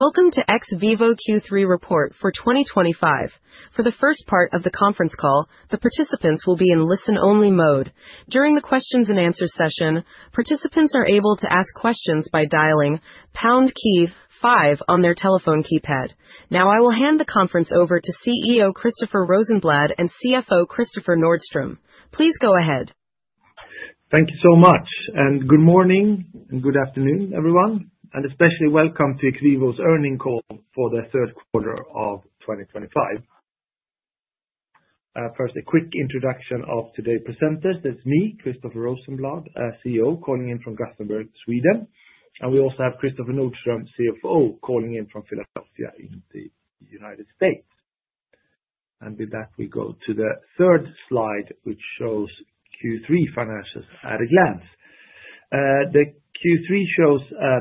Welcome to XVIVO Q3 Report for 2025. For the first part of the conference call, the participants will be in listen-only mode. During the questions and answers session, participants are able to ask questions by dialing 5 on their telephone keypad. Now I will hand the conference over to CEO Christoffer Rosenblad and CFO Kristoffer Nordström. Please go ahead. Thank you so much and good morning and good afternoon everyone and especially welcome to XVIVO's Earnings Call for the Q3 of 2025. First, a quick introduction of today's presenters. That's me, Christoffer Rosenblad, CEO, calling in from Gothenburg, Sweden, and we also have Kristoffer Nordström, CFO, calling in from Philadelphia in the United States, and with that we go to the third slide which shows Q3 financials at a glance. The Q3 shows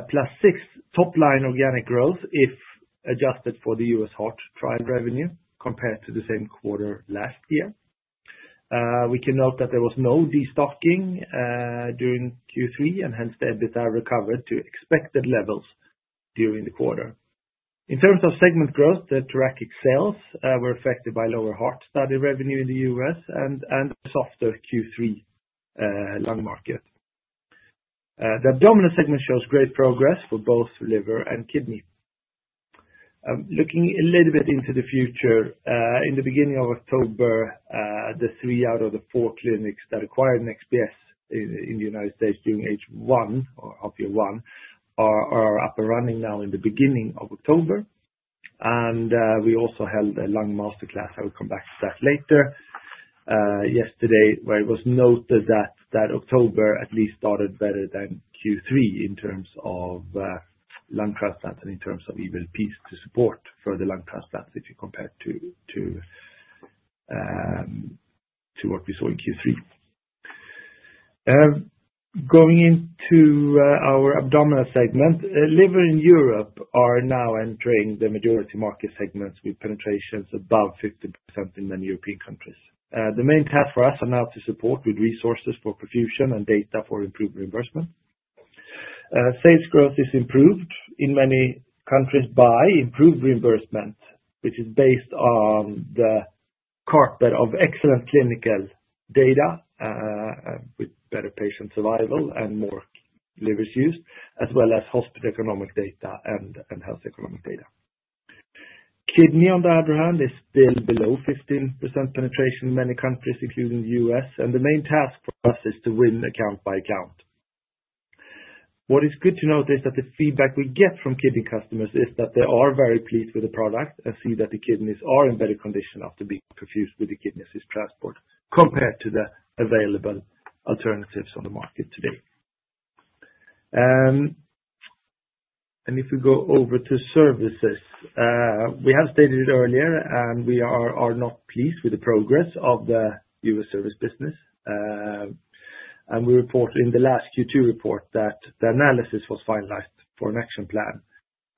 plus 6% top line organic growth if adjusted for the U.S. Heart trial revenue compared to the same quarter last year. We can note that there was no destocking during Q3 and hence the EBITDA recovered to expected levels during the quarter. In terms of segment growth, the thoracic sales were affected by lower Heart study revenue in the U.S. and softer Q3 Lung market. The abdominal segment shows great progress for both Liver and kidney. Looking a little bit into the future, in the beginning of October, the three out of the four clinics that acquired XPS in the United States during H1 or half year one are up and running now in the beginning of October, and we also held a Lung Masterclass. I will come back to that later yesterday where it was noted that October at least started better than Q3 in terms of Lung transplants and in terms of EVLPs to support further Lung transplants. If you compare to what we saw in Q3. Going into our abdominal segment, Liver and Europe are now entering the majority market segments with penetrations above 50% in many European countries. The main tasks for us are now to support with resources for perfusion and data for improved reimbursement. Sales growth is improved in many countries by improved reimbursement which is based on the corpus of excellent clinical data with better patient survival and more Livers used as well as hospital economic data and health economic data. Kidney on the other hand is still below 15% penetration in many countries including the US and the main task for us is to win account by account. What is good to note is that the feedback we get from kidney customers is that they are very pleased with the product and see that the kidneys are in better condition after being perfused with the Kidney Assist Transport compared to the available alternatives on the market today. If we go over to services, we have stated it earlier and we are not pleased with the progress of the U.S. service business. And we reported in the last Q2 report that the analysis was finalized for an action plan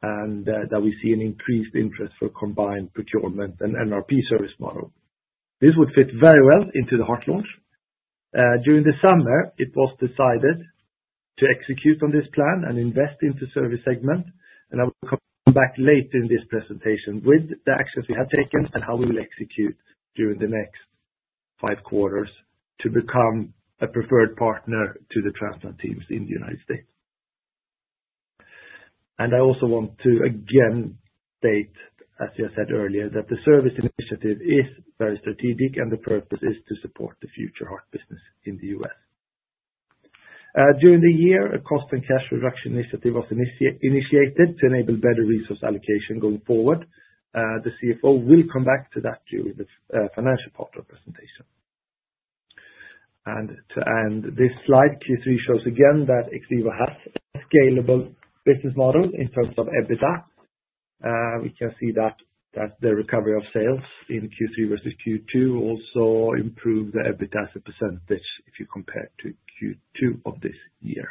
and that we see an increased interest for combined procurement and NRP service model. This would fit very well into the Heart launch. During the summer it was decided to execute on this plan and invest into service segment and I will come back later in this presentation with the actions we have taken and how we will execute during the next five quarters to become a preferred partner to the transplant teams in the United States. And I also want to again state, as I said earlier, that the service initiative is strategic and the purpose is to support the future Heart business in the U.S. During the year a cost and cash reduction initiative was initiated to enable better resource allocation going forward. The CFO will come back to that during the Financial Partner presentation. This slide Q3 shows again that XVIVO has scalable business model in terms of EBITDA. We can see that the recovery of sales in Q3 versus Q2 also improved the EBITDA as a percentage if you compare to Q2 of this year.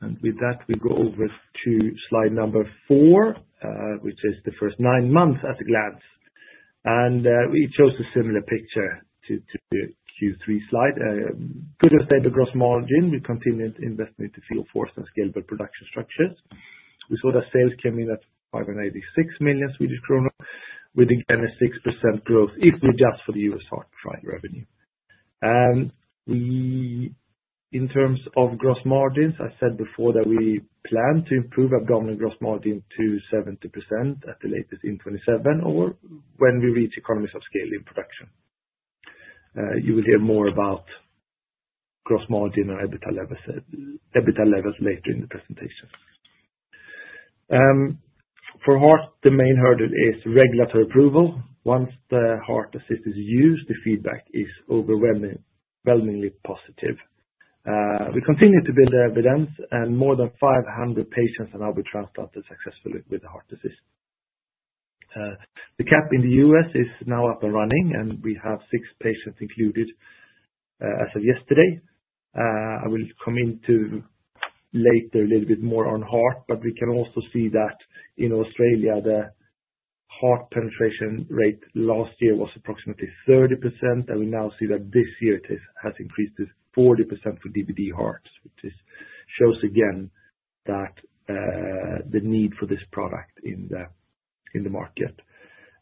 And with that, we go over to slide number four, which is the first nine months at a glance, and we chose a similar picture to the Q3 slide, gross margin could have stayed. We continued investing into field force and scalable production structures. We saw that sales came in at 586 million Swedish kronor with again a 6% growth if we adjust for the US OCS revenue. In terms of gross margins, I said before that we plan to improve abdominal gross margin to 70% at the latest in 2027 or when we reach economies of scale in production. You will hear more about gross margin and EBITDA levels later in the presentation. For Heart, the main hurdle is regulatory approval. Once the Heart Assist is used, the feedback is overwhelmingly positive. We continue to build evidence and more than 500 patients have now been transplanted successfully with the Heart Assist. The CAP in the U.S. is now up and running and we have six patients included as of yesterday. I will come into later a little bit more on Heart, but we can also see that in Australia the Heart penetration rate last year was approximately 30% and we now see that this year it has increased to 40% for DBD Hearts which shows again that the need for this product in the market.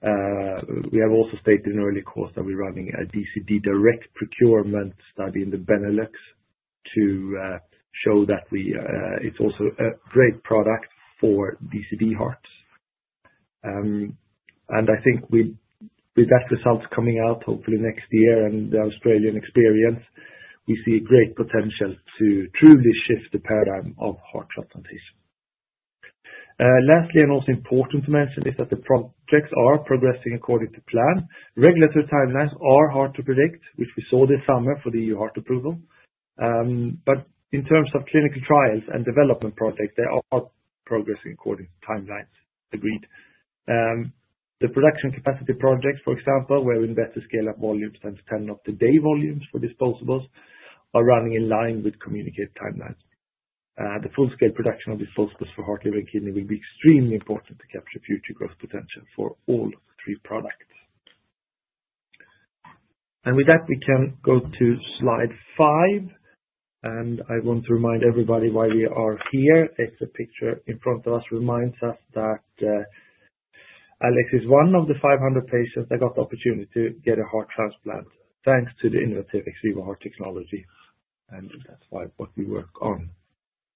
We have also stated in early calls that we're running a DCD direct procurement study in the Benelux to show that it's also a great product for DBD Hearts. And I think with that results coming out hopefully next year and the Australian experience, we see great potential to truly shift the paradigm of Heart transplantation. Lastly, and also important to mention is that the projects are progressing according to plan. Regulatory timelines are hard to predict, which we saw this summer for the EU Heart approval, but in terms of clinical trials and development projects they are progressing according to timelines. Agreed. The production capacity projects for example where we invest to scale up volumes and to ramp up the daily volumes for disposables are running in line with communicated timelines. The full-scale production of the perfusion machines for Heart, Liver and kidney will be extremely important to capture future growth potential for all three products. And with that we can go to Slide 5 and I want to remind everybody why we are here. It's a picture in front of us reminds us that Alex is one of the 500 patients that got the opportunity to get a Heart transplant thanks to the innovative ex vivo Heart technology. And that's what we work on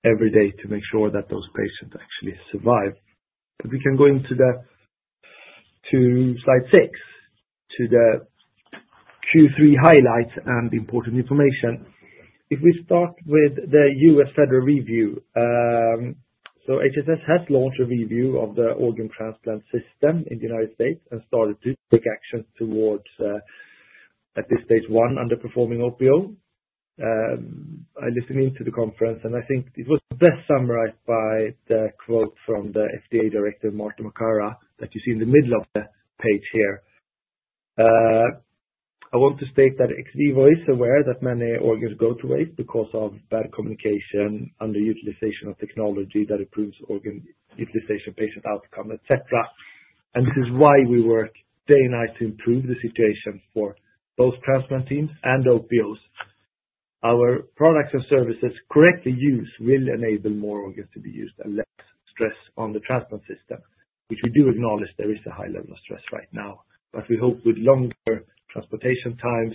every day to make sure that those patients actually survive. We can go into. Slide 6 to the Q3 highlights and important information if we start with the U.S. Federal Review. So HHS has launched a review of the organ transplant system in the United States and started to take action towards, at this stage, one underperforming OPO. I listened into the conference and I think it was best summarized by the quote from the FDA Director Marty Makary that you see in the middle of the page here. I want to state that XVIVO is aware that many organs go to waste because of bad communication, underutilization of technology that improves organ utilization, patient outcome, et cetera. And this is why we work day and night to improve the situation for both transplant teams and OPOs. Our products and services correctly used will enable more organs to be used and less stress on the transplant system, which we do acknowledge. There is a high level of stress right now, but we hope with longer transportation times,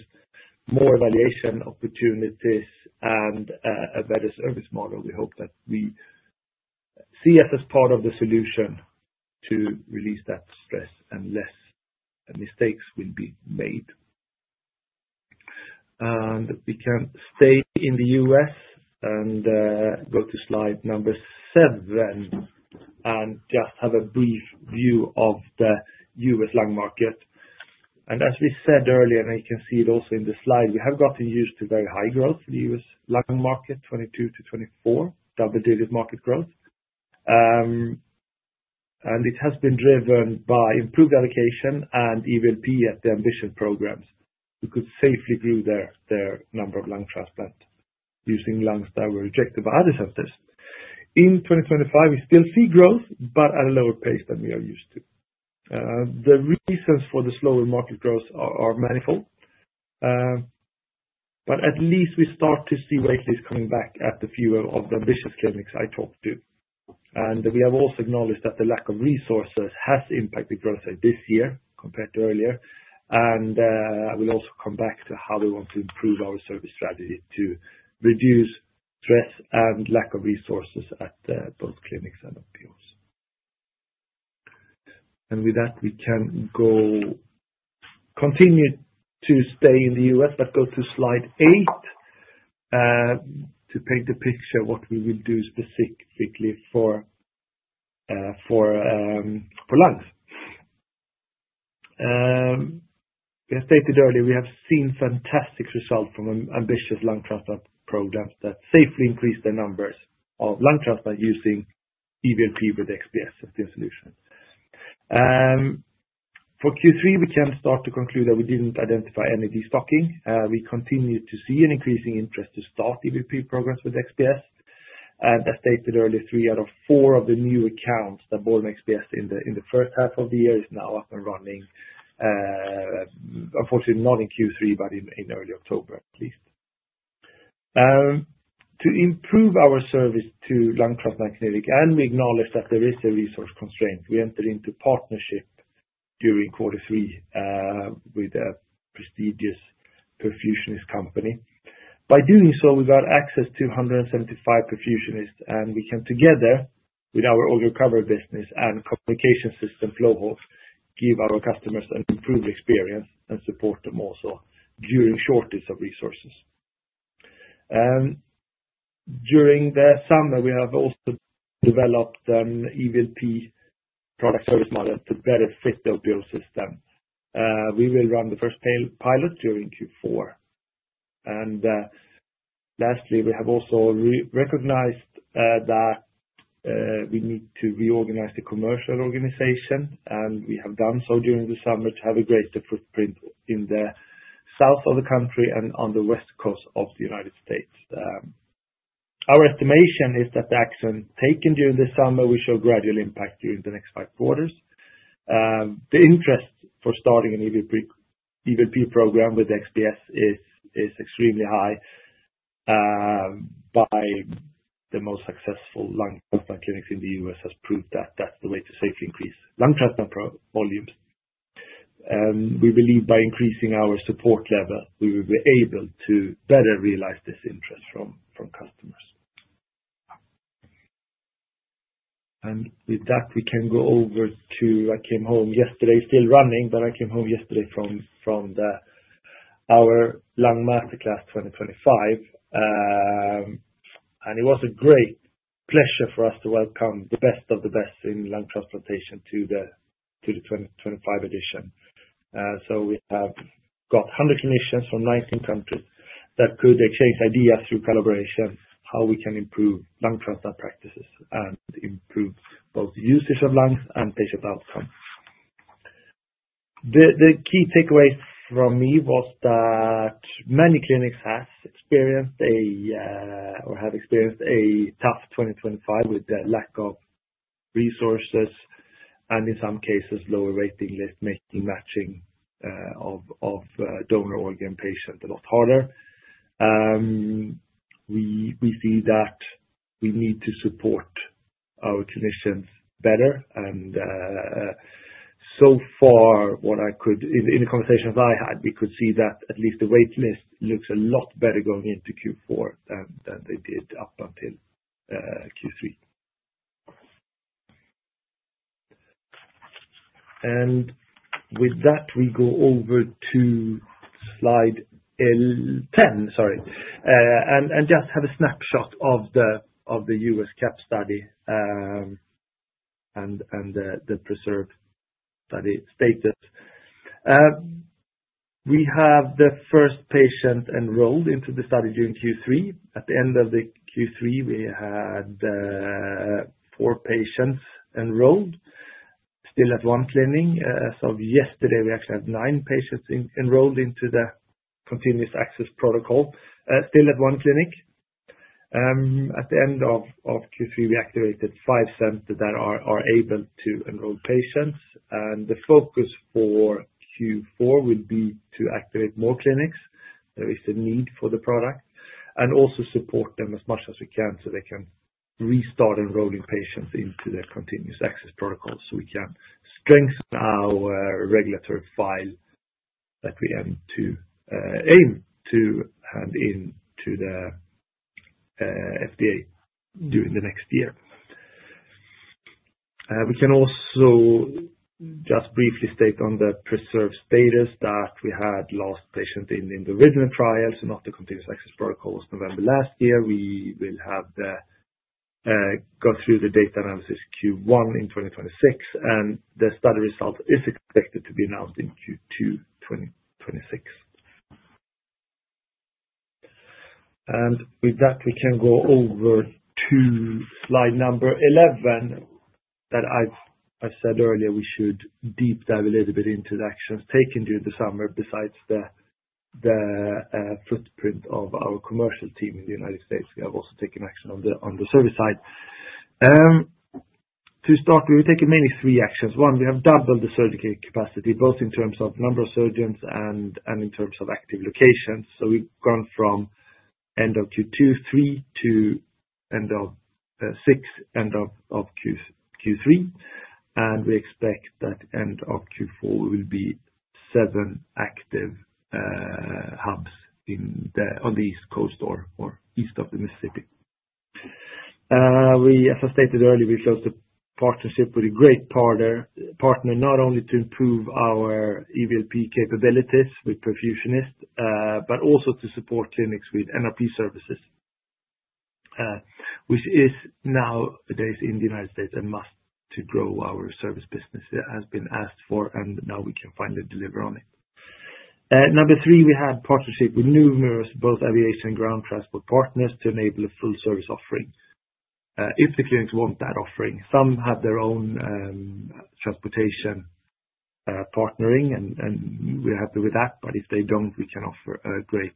more evaluation opportunities and a better service model, we hope that we see us as part of the solution to release that stress and less mistakes will be made. And we can stay in the U.S. and go to slide number seven and just have a brief view of the U.S. Lung market. And as we said earlier and you can see it also in the slide, we have gotten used to very high growth in the U.S. Lung market, 22%-24% double-digit market growth. And it has been driven by improved allocation and EVLP at the ambitious programs who could safely grow their number of Lung transplants using Lungs that were rejected by other centers. In 2025, we still see growth but at a lower pace than we are used to. The reasons for the slower market growth are manifold. But at least we start to see waitlist coming back at a few of the ambitious clinics I talked to and we have also acknowledged that the lack of resources has impacted growth this year compared to earlier. And we'll also come back to how we want to improve our service strategy to reduce stress and lack of resources at both clinics and OPOs. With that we can continue to stay in the U.S. but go to Slide 8. To paint a picture what we will do specifically for Lungs. As stated earlier, we have seen fantastic results from ambitious Lung transplant programs that safely increased the numbers of Lung transplants using EVLP with XPS as their solutions. For Q3, we can start to conclude that we didn't identify any destocking. We continue to see an increasing interest to start EVLP programs with XPS and, as stated earlier, three out of four of the new accounts that bought XPS in the first half of the year is now up and running. Unfortunately not in Q3 but in early October at least. To improve our service to Lung transplant market and we acknowledge that there is a resource constraint, we entered into partnership during quarter three with a prestigious perfusionist company. By doing so we got access to 175 perfusionists and we can together with our organ recovery business and communication system FlowHawk, give our customers an improved experience and support them. Also during shortage of resources. During the summer we have also developed an EVLP product service model to better fit the U.S. system. We will run the first pilot during Q4, and lastly we have also recognized that we need to reorganize the commercial organization and we have done so during the summer to have a greater footprint in the south of the country and on the west coast of the United States. Our estimation is that the action taken during the summer we show gradual impact during the next five quarters. The interest for starting an EVLP program with XPS is extremely high. By the most successful Lung transplant clinics in the U.S. has proved that that's the way to safely increase Lung transplant volumes. We believe by increasing our support level we will be able to better realize this interest from customers. And with that, we can go over to. I came home yesterday, still running, but I came home yesterday from. Our Lung Masterclass 2025. It was a great pleasure for us to welcome the best of the best in Lung transplantation to the 2025 edition. We have got 100 clinicians from 19 countries that could exchange ideas through collaboration how we can improve Lung transplant practices and improve both usage of Lungs and patient outcome. The key takeaways from me was that many clinics have experienced a tough 2025 with the lack of resources and in some cases lower rating matching of donor organ patient a lot harder. We see that we need to support our clinicians better and. So far, what I could in the conversations I had, we could see that at least the wait list looks a lot better going into Q4 than they did up until Q3. And with that we go over to slide. Just have a snapshot of the U.S. CAP study. The PRESERRVE study status. We have the first patient enrolled into the study during Q3. At the end of the Q3 we had four patients enrolled still at one clinic. As of yesterday we actually had nine patients enrolled into the Continued Access Protocol still at one clinic. At the end of Q3 we activated five centers that are able to enroll patients and the focus for Q4 will be to activate more clinics. There is a need for the product and also support them as much as we can so they can restart enrolling patients into their Continued Access Protocol so we can strengthen our regulatory function file that we aim to hand in to the FDA during the next year. We can also just briefly state on the preserved status that we had last patient in the original trial, so not the Continued Access Protocols. November last year, we will have go through the data analysis Q1 in 2026, and the study result is expected to be announced in Q2 2026. And with that we can go over to Slide number 11 that I said earlier we should deep dive a little bit into the actions taken during the summer. Besides the. Footprint of our commercial team in the United States. We have also taken action on the service side. To start, we've taken three actions. One, we have doubled the surgical capacity both in terms of number of surgeons and in terms of active locations. So we've gone from end of Q2 2023, three to end of Q3, six and we expect that end of Q4 will be seven active hubs on the east coast or east of the Mississippi. As I stated earlier, we closed the partnership with a great partner not only to improve our EVLP capabilities with perfusionist but also to support clinics with NRP services. Which is nowadays in the United States. A must to grow our service business has been asked for, and now we can finally deliver on it. Number 3, we had partnership with numerous, both aviation and ground transport partners to enable a full service offering if the clinics want that offering. Some have their own transportation partnering, and we're happy with that, but if they don't, we can offer a great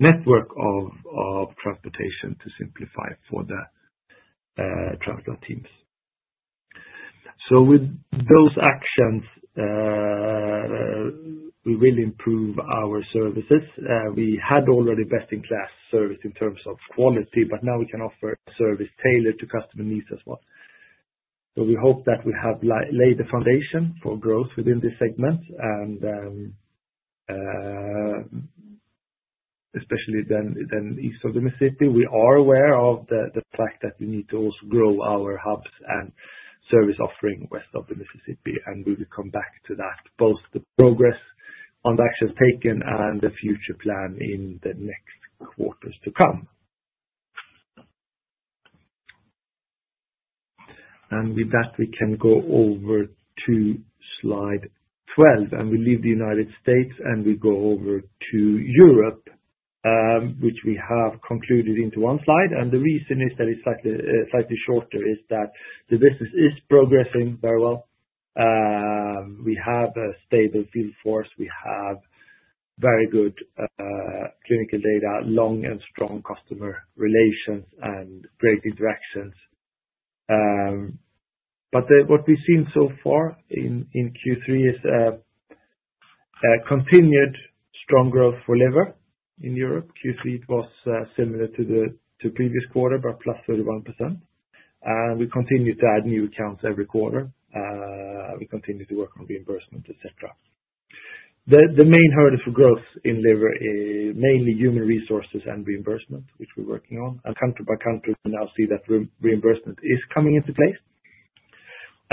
network of transportation to simplify for the transport teams, so with those actions. We will improve our services. We had already best in class service in terms of quality, but now we can offer service tailored to customer needs as well. So we hope that we have laid the foundation for growth within this segment and. Especially then east of the Mississippi. We are aware of the fact that we need to also grow our hubs and service offering west of the Mississippi, and we will come back to that both the progress on the actions taken and the future plan in the next quarters to come. With that, we can go over to Slide 12 and we leave the United States and we go over to Europe, which we have consolidated into one slide. The reason is that it's slightly shorter, is that the business is progressing very well. We have a stable field force, we have very good clinical data, long and strong customer relations and great interactions. But what we've seen so far in Q3 is. Continued strong growth for Liver in Europe. Q3, it was similar to the previous quarter but plus 31%. We continue to add new accounts every quarter, we continue to work on reimbursement, etc. The main hurdle for growth in Liver is mainly human resources and reimbursement, which we're working on and country by country. We now see that reimbursement is coming into place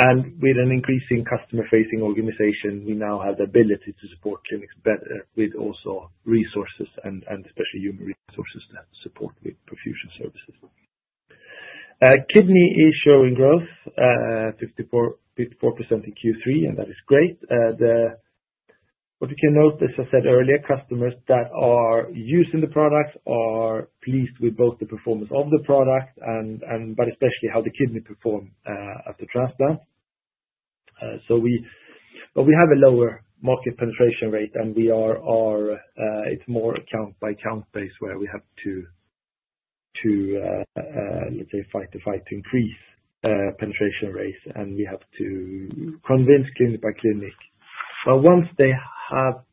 and with an increasing customer facing organization we now have the ability to support clinics better with also resources and especially human resources that support with perfusion services. Kidney is showing growth 54% in Q3 and that is great. What you can note as I said earlier, customers that are using the products are pleased with both the performance of the product but especially how the kidney perform after transplant. But we have a lower market penetration rate, and we're, it's more account-by-account basis where we have to, let's say, fight to increase penetration rates, and we have to convince kidneys by clinic. But once they have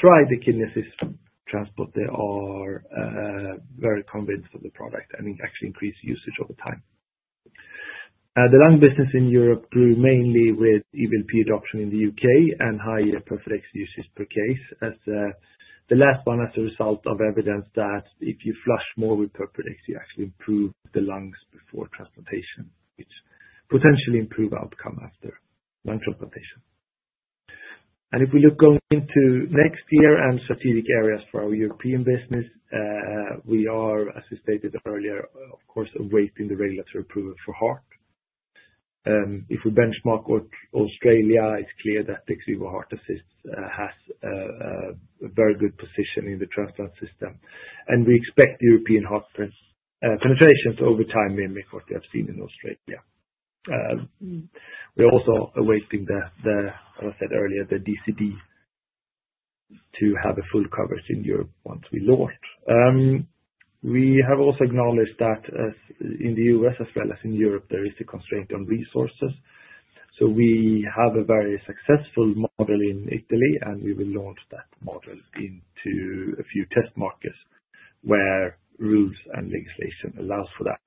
tried the Kidney Assist Transport, they are very convinced of the product and actually increase usage over time. The Lung business in Europe grew mainly with EVLP adoption in the UK and higher Perfadex usage per case as the last one as a result of evidence that if you flush more with Perfadex you actually improve the Lungs before transplantation which potentially improve outcome after Lung transplantation. And if we look going into next year and strategic areas for our European business, we are, as we stated earlier, of course awaiting the regulatory approval for Heart Assist. If we benchmark Australia, it's clear that DCD Heart Assist has a very good position in the transplant system and we expect European heart penetrations over time mimic what we have seen in Australia. We're also awaiting the, as I said earlier, the DCD to have a full coverage in Europe once we launch. We have also acknowledged that in the U.S. as well as in Europe there is a constraint on resources, so we have a very successful model in Italy and we will launch that model into a few test markets where rules and legislation allows for that.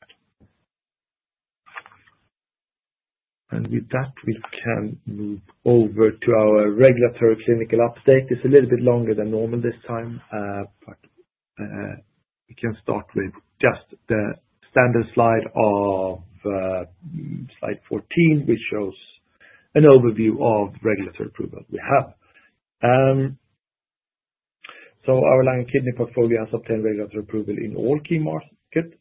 And with that we can move over to our regulatory clinical update. It's a little bit longer than normal this time, but we can start with just the standard slide of Slide 14 which shows an overview of regulatory approval we have. Our Lung kidney portfolio has obtained regulatory approval in all key markets.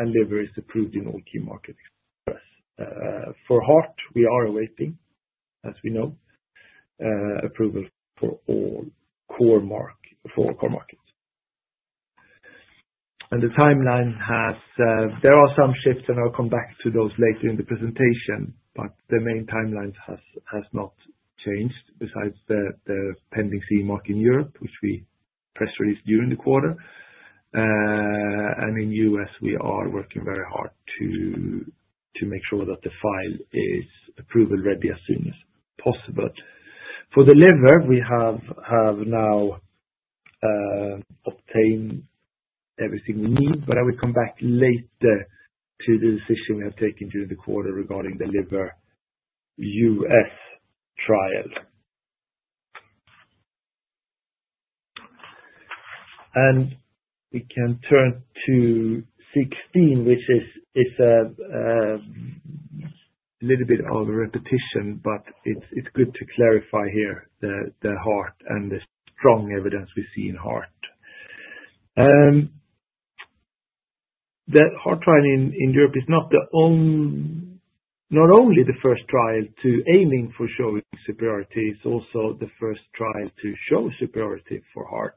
And Liver Assist is approved in all key markets. For Heart we are awaiting, as we know, approval for CE mark for all core markets. And the timeline has. There are some shifts and I'll come back to those later in the presentation, but the main timeline has not changed. Besides the pending CE mark in Europe, which we press released during the quarter. In U.S. we are working very hard to make sure that the filing is approval-ready as soon as possible for the Liver we have now. Obtain everything we need, but I will come back later to the decision we have taken during the quarter regarding the Liver U.S. trial. We can turn to 16, which is. A little bit of a repetition, but it's good to clarify here. The heart and the strong evidence we see in heart. Heart trial in Europe is not only the first trial aiming for showing superiority, it's also the first trial to show superiority for Heart,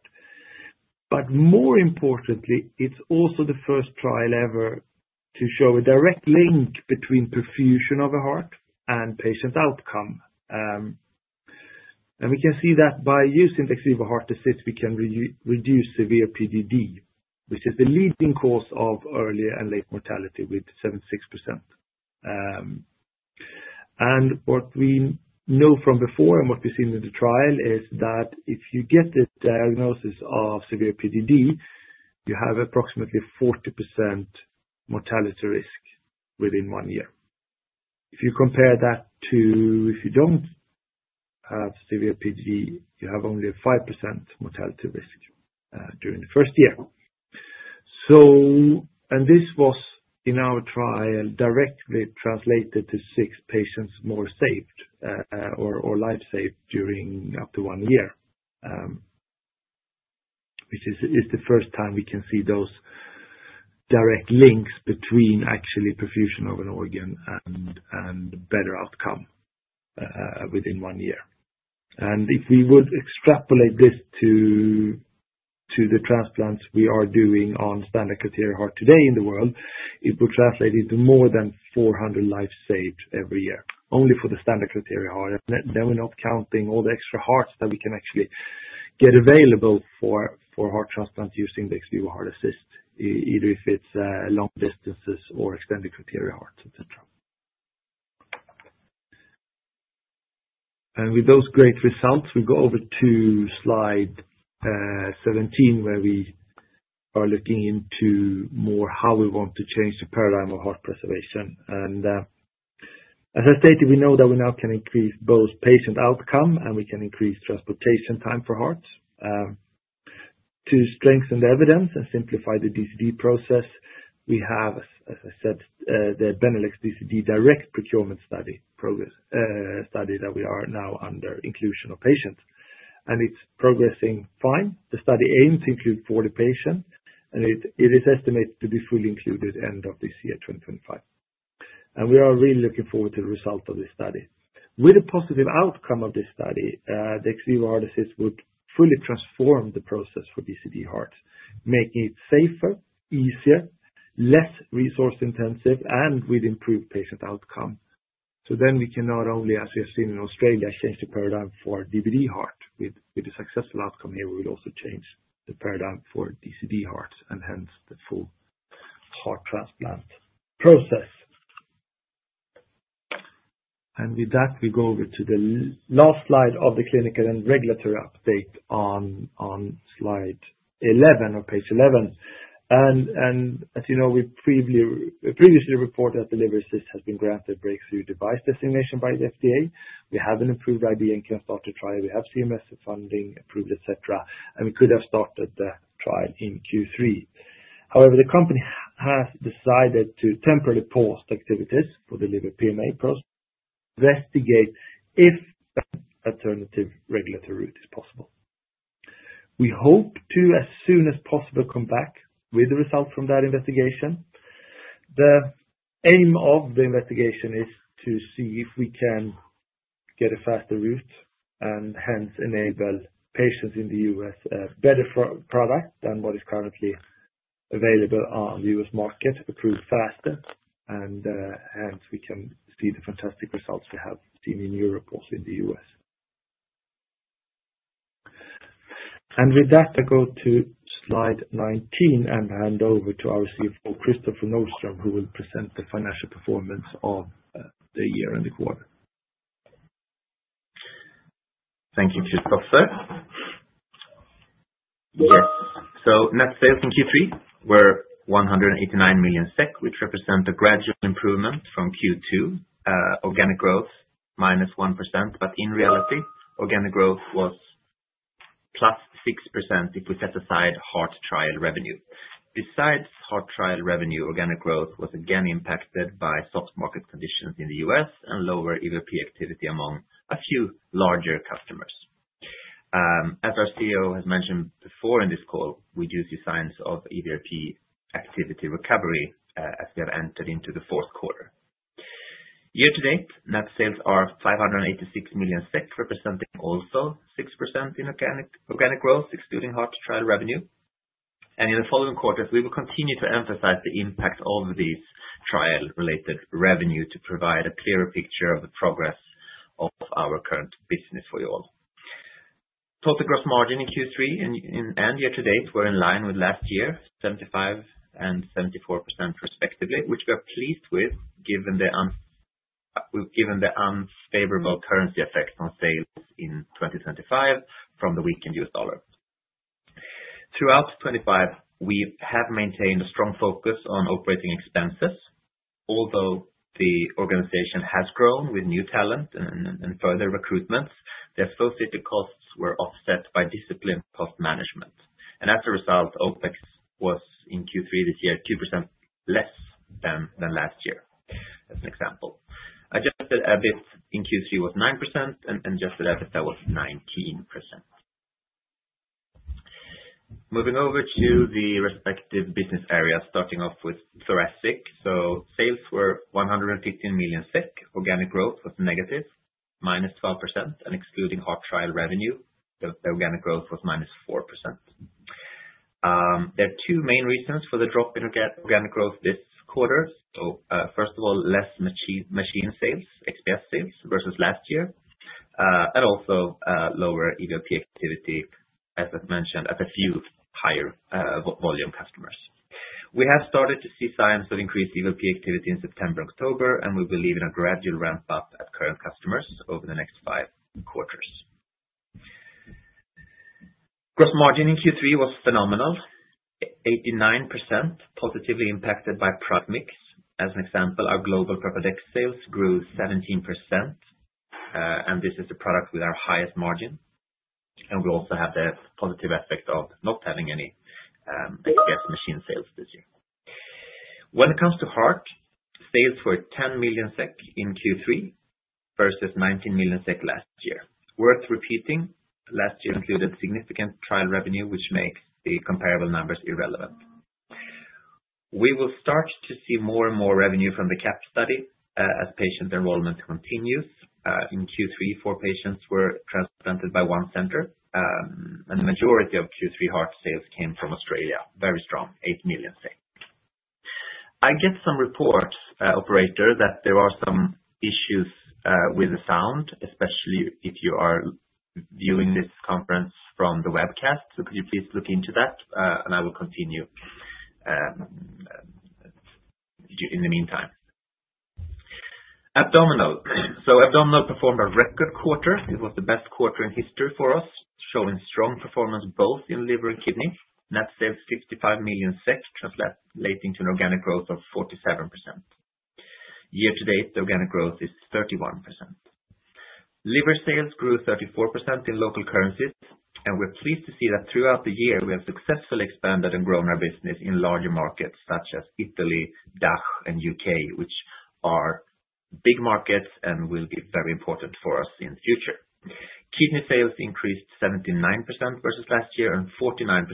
but more importantly it's also the first trial ever to show a direct link between perfusion of a Heart and patient outcome. And we can see that by using XVIVO Heart Assist we can reduce severe PGD, which is the leading cause of early and late mortality with 76%. And what we know from before and what we've seen in the trial is that if you get the diagnosis of severe PGD you have approximately 40% mortality risk within one year. If you compare that to if you don't have severe PGD, you have only a 5% mortality risk during the first year. This was in our trial directly translated to six patients more saved or life saved during up to one year. Which is the first time we can see those direct links between actually perfusion of an organ and better outcome within one year. And if we would extrapolate this to the transplants we are doing on standard criteria Heart today in the world, it would translate into more than 400 lives saved every year. Only for the standard criteria Heart, then we're not counting all the extra Hearts that we can actually get available for Heart transplant using the XVIVO Heart Assist, either if it's long distances or extended criteria Heart, etc. And with those great results we go over to Slide 17 where we are looking into more how we want to change the paradigm of Heart preservation. And as I stated, we know that we now can increase both patient outcome and we can increase transportation time for Hearts. To strengthen the evidence and simplify the DCD process, we have, as I said, the Benelux DCD Direct Procurement Study progress study that we are now under inclusion of patients and it's progressing fine. The study aims include for the patient, and it is estimated to be fully included end of this year 2025, and we are really looking forward to the result of this study. With a positive outcome of this study, the ex vivo Heart Assist would fully transform the process for DCD Heart, making it safer, easier, less resource intensive, and with improved patient outcome, so then we can not only, as we have seen in Australia, change the paradigm for DCD Heart with a successful outcome here, we would also change the paradigm for DCD Hearts and hence the full Heart transplant process. And with that we go over to the last slide of the clinical and regulatory update on Slide 11 or Page 11. And as you know, we previously reported that LiverAssist has been granted Breakthrough Device designation by the FDA. We have an approved IB and can start a trial, we have CMS funding approved etc. And we could have started the trial in Q3. However, the company has decided to temporarily pause activities for Liver PMA process, investigate if alternative regulatory route is possible. We hope to as soon as possible come back with the result from that investigation. The aim of the investigation is to see if we can get a faster route and hence enable patients in the U.S. a better product than what is currently available on the U.S. market. Approve faster and hence we can see the fantastic results we have seen in Europe, also in the U.S. With that I go to Slide 19 and hand over to our CFO Kristoffer Nordström, who will present the financial performance of the year and the quarter. Thank you, Christoffer. Yes. So net sales in Q3 were 189 million SEK which represent a gradual improvement from Q2 organic growth -1% but in reality organic growth was +6% if we set aside Heart trial revenue. Besides Heart trial revenue, organic growth was again impacted by soft market conditions in the U.S. and lower EVLP activity among a few larger customers. As our CEO has mentioned before in this call, we do see signs of EVLP activity recovery as we have entered into the fourth quarter year. To date net sales are 586 million SEK representing also 6% in organic growth excluding Heart trial revenue and in the following quarters we will continue to emphasize the impact of these trial related revenue to provide a clearer picture of the progress of our current business for you. All total gross margin in Q3 and year to date were in line with last year 75% and 74% respectively, which we are pleased with. Given the unfavorable currency effect on sales in 2025 from the weakened U.S. dollar. Throughout 2025 we have maintained a strong focus on operating expenses. Although the organization has grown with new talent and further recruitments, the associated costs were offset by cost management and as a result OpEx was in Q3 this year 2% less than last year. As an example, adjusted EBIT in Q3 was 9% and adjusted EBITDA was 19%. Moving over to the respective business areas starting off with Thoracic. So sales were 115 million SEK, organic growth was negative minus 12%, and excluding Flowhawk trial revenue the organic growth was minus 4%. There are two main reasons for the drop in organic growth this quarter. First of all, less machine sales, XPS sales versus last year and also lower EVLP activity. As I've mentioned at a few higher volume customers. We have started to see signs of increased EVLP activity in September October and we believe in a gradual ramp up at current customers over the next five quarters. Gross margin in Q3 was phenomenal, 89% positively impacted by product mix. As an example, our global solution sales grew 17% and this is the product with our highest margin. And we also have the positive effect of not having any XPS machine sales this year. When it comes to Heart, sales were 10 million SEK in Q3 versus 19 million SEK last year. Worth repeating, last year included significant trial revenue which makes the comparable numbers irrelevant. We will start to see more and more revenue from the CAP study as patient enrollment continues. In Q3 four patients were transplanted by one center and the majority of Q3 Heart sales came from Australia. Very strong eight million sales. I get some reports, operator, that there are some issues with the sound, especially if you are viewing this conference from the webcast. Could you please look into that. I will continue. In the meantime. Abdominal. So Abdominal performed a record quarter. It was the best quarter in history for us, showing strong performance both in Liver and kidney. Net sales 55 million SEK translating to an organic growth of 47%. Year to date the organic growth is 31%. Liver sales grew 34% in local currencies and we're pleased to see that throughout the year we have successfully expanded and grown our business in larger markets such as Italy, DACH and U.K., which are big markets and will be very important for us in the future. Kidney sales increased 79% versus last year and 49%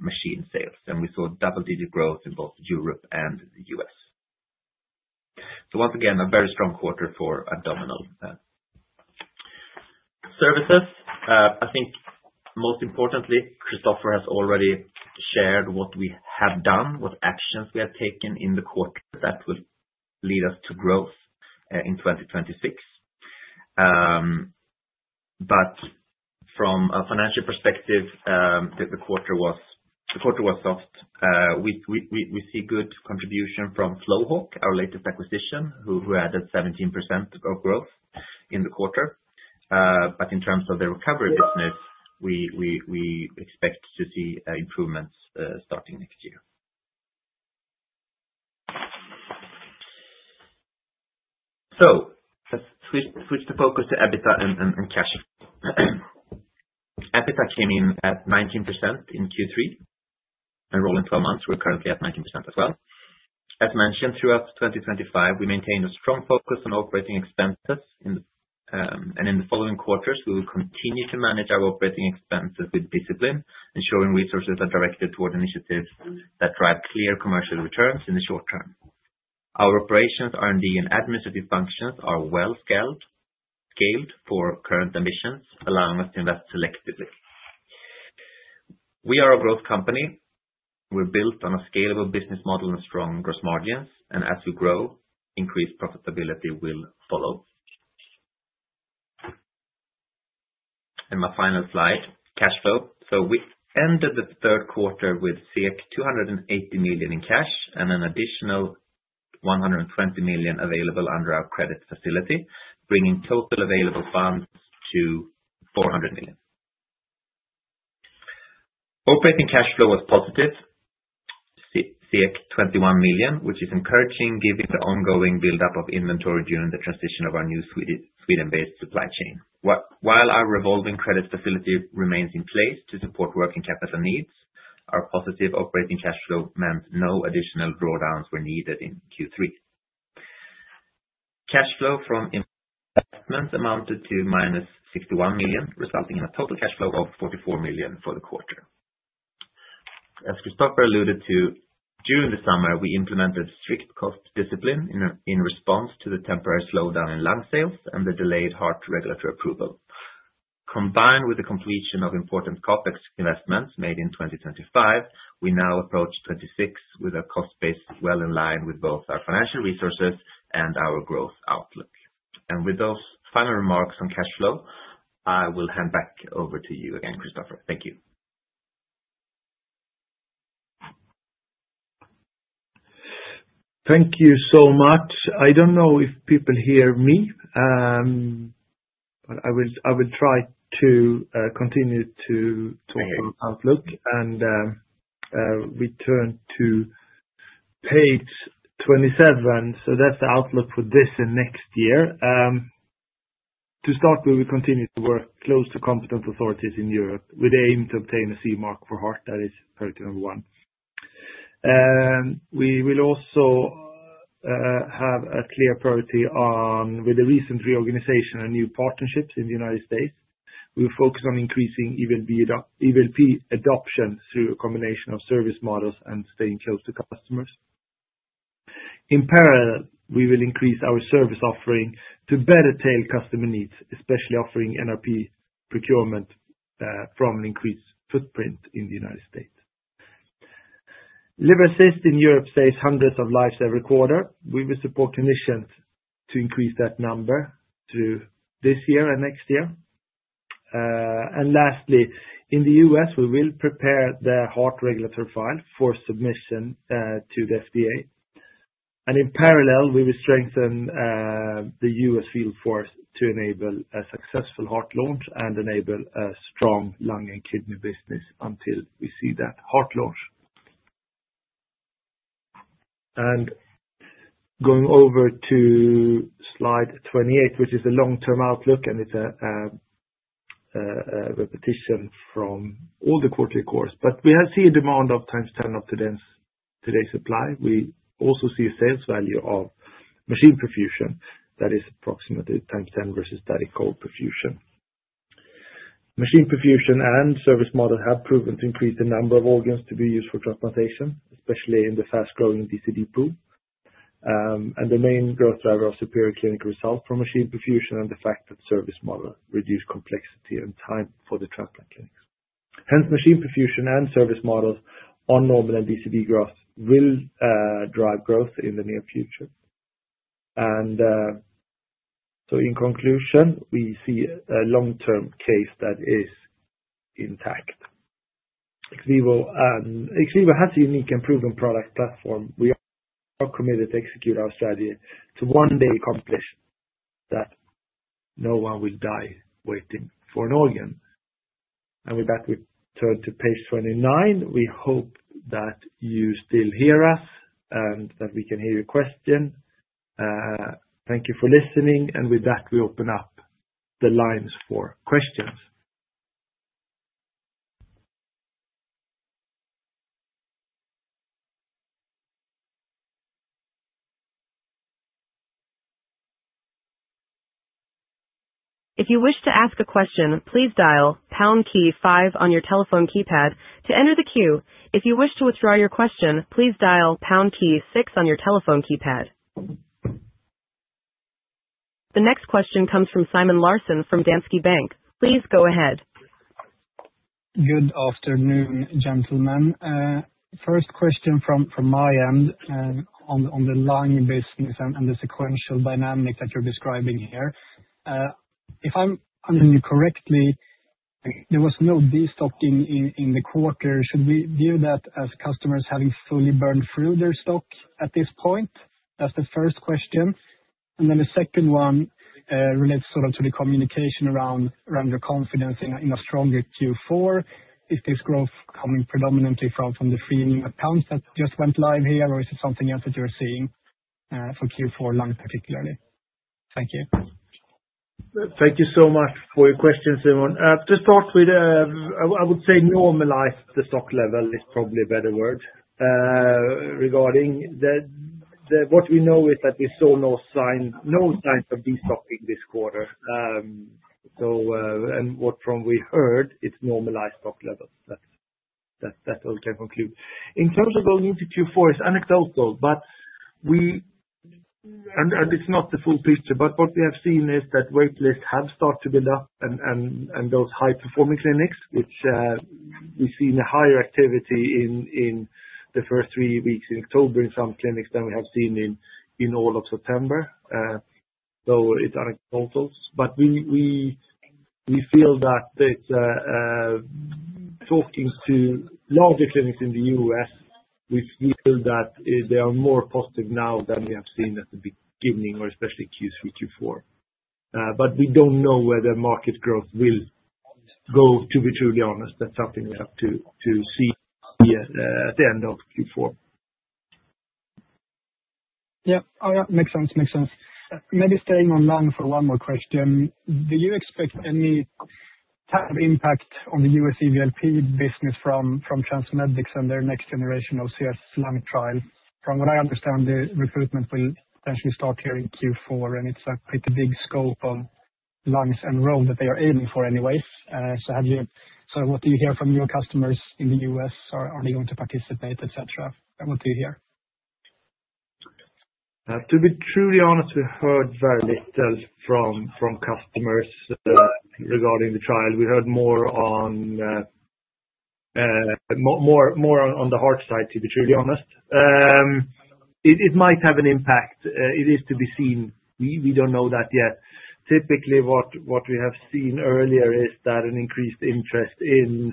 machine sales and we saw double digit growth in both Europe and the U.S. So, once again, a very strong quarter for XVIVO. Services. I think most importantly, Christoffer has already shared what we have done, what actions we have taken in the quarter that will lead us to growth in 2026. But from a financial perspective. The quarter was soft. We see good contribution from Flowhawk, our latest acquisition who added 17% of growth in the quarter. But in terms of the recovery business, we expect to see improvements starting next year. So let's switch the focus to EBITDA and cash. EBITDA came in at 19% in Q3 and rolling 12 months. We're currently at 19% as well. As mentioned, throughout 2025 we maintained a strong focus on operating expenses and in the following quarters we will continue to manage our operating expenses with discipline, ensuring resources are directed toward initiatives that drive clear commercial returns in the short term. Our operations, R&D, and administrative functions are well scaled for current ambitions, allowing us to invest selectively. We are a growth company, we're built on a scalable business model and strong gross margins and as we grow, increased profitability will follow. And my final slide, Cash Flow. So we ended the third quarter with 280 million in cash and an additional 120 million available under our credit facility, bringing total available funds to 400 million. Operating cash flow was positive, 21 million, which is encouraging given the ongoing buildup of inventory during the transition of our new Sweden-based supply chain. While our revolving credit facility remains in place to support working capital needs, our positive operating cash flow meant no additional drawdowns were needed. In Q3. Cash flow from investments amounted to minus 61 million, resulting in a total cash flow of 44 million for the quarter. As Christoffer alluded to, during the summer we implemented strict cost discipline in response to the temporary slowdown in Lung sales and the delayed Heart regulatory approval combined with the completion of important CapEx investments made in 2025. We now approach 26 with a cost base well in line with both our financial resources and our growth outlook, and with those final remarks on cash flow, I will hand back over to you again. Christoffer, thank you. Thank you so much. I don't know if people hear me? I will try to continue to talk about outlook, and we turn to Page 27, so that's the outlook for this next year. To start with, we continue to work closely with competent authorities in Europe with aim to obtain a CE mark for Heart. That is priority number one. We will also. Have a clear priority on, with the recent reorganization and new partnerships in the United States, we focus on increasing EVLP adoption through a combination of service models and staying close to customers. In parallel we will increase our service offering to better tailor customer needs, especially offering NRP procurement from an increased footprint in the United States. Liver Assist in Europe saves hundreds of lives every quarter. We will support clinicians to increase that number through this year and next year. And lastly in the U.S. we will prepare the Heart regulatory file for submission to the FDA. And in parallel we will strengthen the U.S. field force to enable a successful Heart launch and enable a strong Lung and kidney business until we see that Heart launch. And going over to Slide 28, which is the long-term outlook, and it's a. Repetition from all the quarterly calls but we have seen a demand of times 10 of today's supply. We also see a sales value of machine perfusion that is approximately times 10 versus static cold perfusion. Machine perfusion and service model have proven to increase the number of organs to be used for transplantation, especially in the fast-growing DCD pool and the main growth driver of superior clinical result from machine perfusion and the fact that service model reduce complexity and time for the transplant clinics. Hence machine perfusion and service models on normal and DBD growth will drive growth in the near future, and so in conclusion we see a long-term case that is intact. Ex vivo has a unique and proven product platform. We are committed to execute our strategy to one day accomplish that no one will die waiting for an organ. And with that we turn to Page 29. We hope that you still hear us and that we can hear your question. Thank you for listening. And with that we open up the lines for questions. If you wish to ask a question. Please dial key five on your telephone keypad to enter the queue. If you wish to withdraw your question. Please dial on your telephone keypad. The next question comes from Simon Larsen from Danske Bank. Please go ahead. Good afternoon gentlemen. First question from my end on the Lung business and the sequential dynamic that you're describing here, if I'm understanding you correctly, there was no destocking in the quarter. Should we view that as customers having fully burned through their stock at this point? That's the first question and then the second one relates sort of to the communication around your confidence in a stronger Q4. Is this growth coming predominantly from the three hubs that just went live here or is it something else that you're seeing for Q4 Lung particularly? Thank you. Thank you so much for your question, Simon. To start with, I would say normalize the stock level is probably a better word regarding what we know is that we saw no signs of destocking this quarter. What we've heard, it's normalized stock levels. That conclusion in terms of going into Q4 is anecdotal, but it's not the full picture, but what we have seen is that wait lists have started to build up and those high-performing clinics which we've seen a higher activity in the first three weeks in October in some clinics than we have seen in all of September, but we feel that. Talking to larger clinics in the U.S., we feel that they are more positive now than we have seen at the beginning or especially Q3 Q4, but we don't know whether market growth will go, to be truly honest. That's something we have to see at the end of Q4. Yeah. Oh yeah, makes sense, makes sense. Maybe staying online for one more question. Do you expect any impact on the U.S. EVLP business from TransMedics and their next generation OCS Lung trial, from what I understand the recruitment will potentially start here in Q4 and it's quite a big scope Lungs and row that they are aiming for anyways. So have you sort of what do you hear from your customers in the U.S. or are they going to participate, et cetera, what do you hear? To be truly honest, we heard very little from customers regarding the trial. We heard more on. More on the Heart side to be truly honest. It might have an impact. It is to be seen. We don't know that yet. Typically what we have seen earlier is that an increased interest in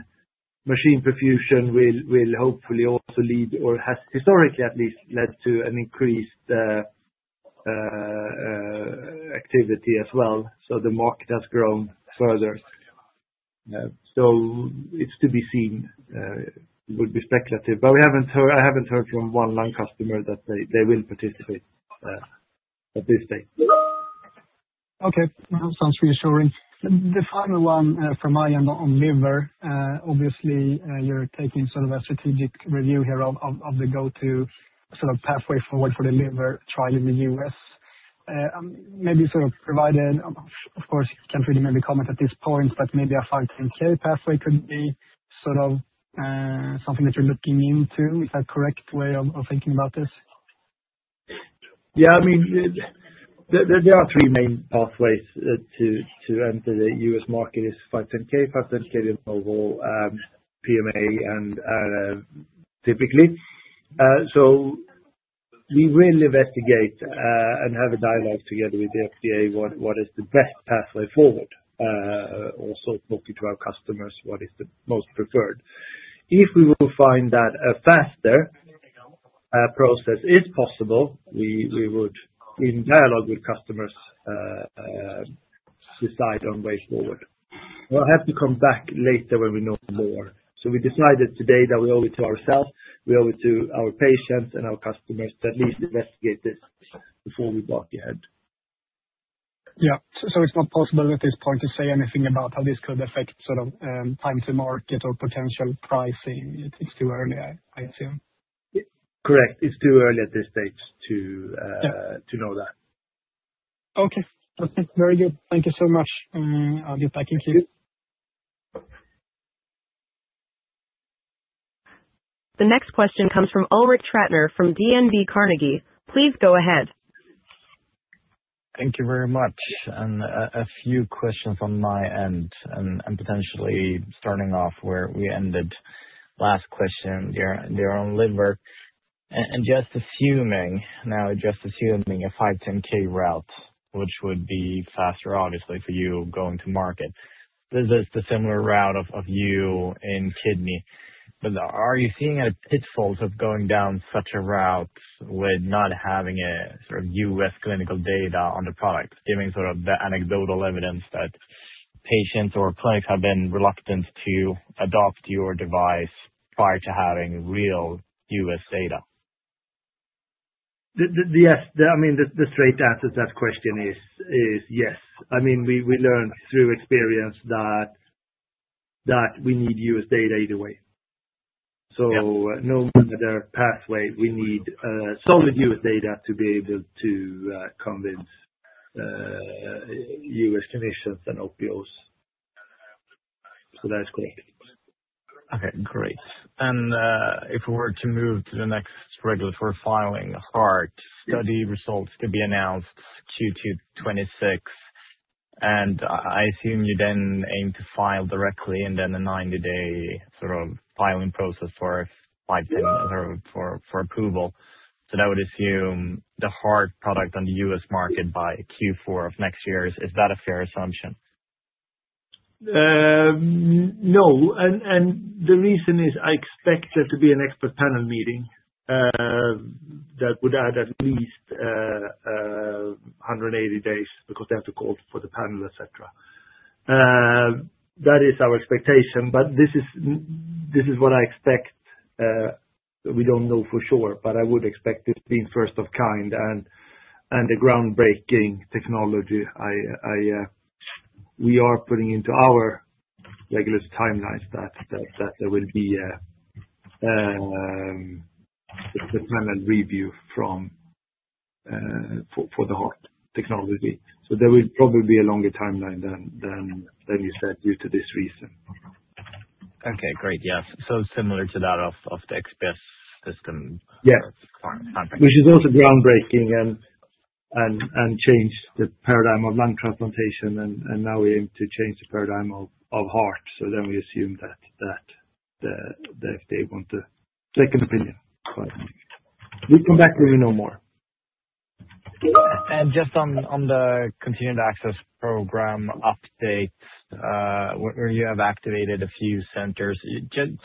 machine perfusion will hopefully also lead or has historically at least led to an increased. Activity as well. So the market has grown further. So, it's to be seen would be speculative, but I haven't heard from one land customer that they will participate at this stage. Okay, sounds reassuring. The final one from my end on Liver, obviously you're taking sort of a strategic review here of the go to sort of pathway forward for the Liver trial in the U.S. Maybe sort of provided of course you can't really maybe comment at this point, but maybe a 510(k) pathway could be sort of something that you're looking into. Is that correct way of thinking about this? Yeah. I mean there are three main pathways to enter the U.S. market is 510(k), PMA and typically so we really investigate and have a dialogue together with the FDA. What is the best pathway forward? Also talking to our customers, what is the most preferred? If we will find that faster. Process is possible. We would in dialogue with customers. Decide on way forward. We'll have to come back later when we know more. So we decided today that we owe it to ourselves, we owe it to our patients and our customers to at least investigate this before we barge ahead. Yeah. So it's not possible at this point to say anything about how this could affect sort of time to market or potential pricing. It's too early. I assume Correct. It's too early at this stage to know that. Okay. Okay. Very good. Thank you so much. The next question comes from Ulrik Trattner from Carnegie. Please go ahead. Thank you very much. And a few questions on my end and potentially starting off where we ended last question. They're on Liver. And just assuming, now just assuming, a 510(k) route which would be faster obviously for you going to market. This is the similar route of you in kidney. But are you seeing a pitfall of going down such a route with not having a sort of U.S. clinical data on the product, giving sort of the anecdotal evidence that patients or clinics have been reluctant to adopt your device prior to having real U.S. data? Yes. I mean the straight answer to that question is yes. I mean we learned through experience that we need U.S. data either way. So no matter pathway, we need solid U.S. data to be able to convince. U.S. clinicians and opioids. So that's correct. Okay, great. And if we were to move to the next regulatory filing, Heart study results could be announced Q2 2026 and I assume you then aim to file directly and then a 90-day sort of filing process for 510(k) for approval. So that would assume the Heart product on the U.S. market by Q4 of next year. Is that a fair assumption? No. And the reason is I expect there to be an expert panel meeting. That would add at least. 180 days because they have to call for the panel, et cetera. That is our expectation. But this is what I expect. We don't know for sure, but I would expect it being first of kind and the groundbreaking technology. We are putting into our regular timelines that there will be. The plan and review from. For the Heart technology, so there will probably be a longer timeline than you said, due to this reason. Okay, great. Yes. So similar to that of the XPS system. Yes, which is also groundbreaking and change the paradigm of Lung transplantation and now we aim to change the paradigm of Heart so then we assume that. If they want to take an opinion, we'll come back when we know more. And just on the continued access program update where you have activated a few centers,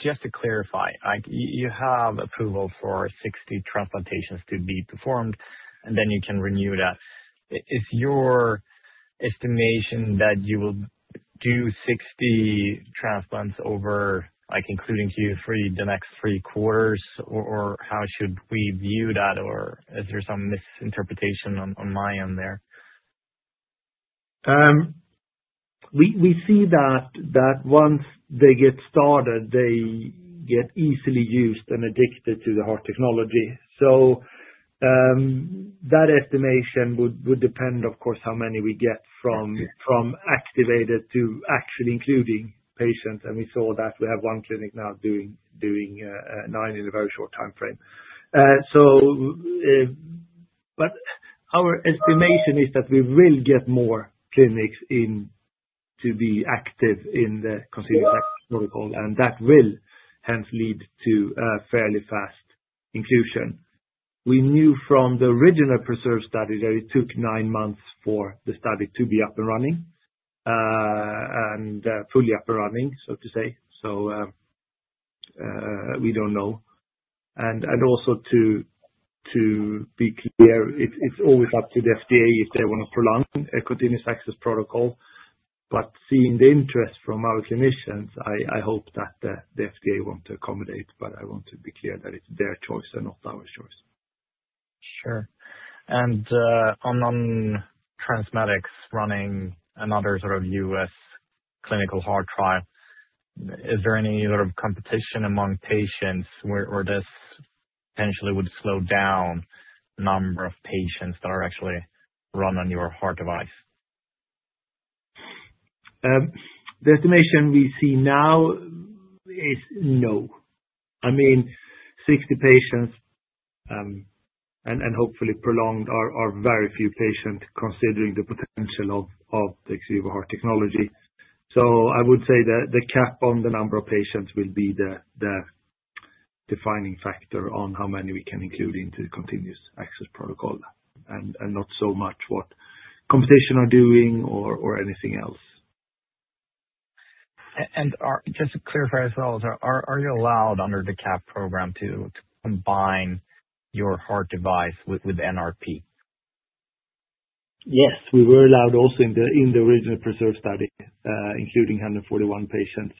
just to clarify, you have approval for 60 transplantations to be performed and then you can renew that. Is your estimation that you will do 60 transplants over like including Q3, the next three quarters or how should we view that? Or is there some misinterpretation on my end there? We see that once they get started, they get easily used and addicted to the Heart technology. So that estimation would depend of course, how many we get from activated to actually including patients. And we saw that we have one clinic now doing nine in a very short time frame. But our estimation is that we will get more clinics in to be active in the Continued Access Protocol and that will hence lead to fairly fast inclusion. We knew from the original PRESERVE study that it took nine months for the study to be up and running and fully up and running. So to say. So. We don't know, and also to be clear, it's always up to the FDA if they want to prolong a Continued Access Protocol, but seeing the interest from our clinicians, I hope that the FDA won't accommodate. But I want to be clear that. It's their choice and not our choice. Sure. On TransMedics running another sort of U.S. clinical Heart trial, is there any sort of competition among patients or this potentially would slow down number of patients that are actually run on your Heart device? The estimation we see now is no. I mean 60 patients. And hopefully prolong our very few patients considering the potential of the XVIVO Heart technology. So I would say that the cap on the number of patients will be the defining factor on how many we can include into Continued Access Protocol and not so much what competition are doing or anything else. And just to clarify as well, are you allowed under the CAP program to combine your Heart Assist with NRP? Yes, we were allowed also in the original preserve study, including 141 patients,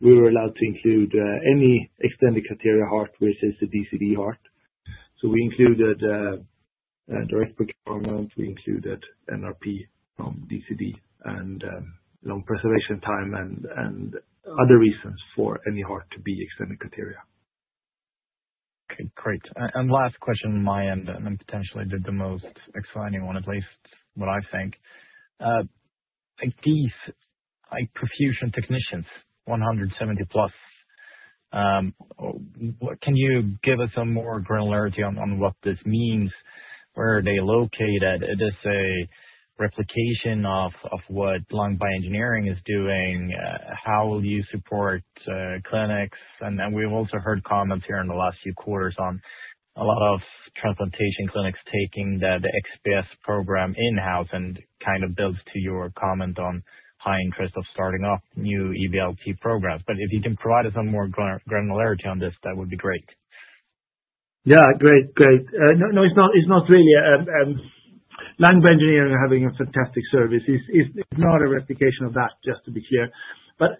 we were allowed to include any extended criteria Heart versus the DCD Heart, so we included direct procurement, we included NRP from DCD and long preservation time and other reasons for any Heart to be extended criteria. Okay, great. And last question on my end, and potentially the most exciting one, at least what I think. These perfusion technicians, 170-plus. Can you give us some more granularity? On what this means? Where are they located? It is a replication of what Lung Bioengineering is doing. How will you support clinics? And we've also heard comments here in the last few quarters on a lot of transplant clinics taking the XPS program in-house and kind of builds to your comment on high interest of starting up new EVLP programs. But if you can provide us some. More granularity on this, that would be great. Yeah, great, great. No, it's not really language. Engineering having a fantastic service is not a replication of that. Just to be clear. But